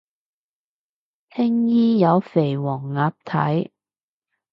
青衣有肥黃鴨睇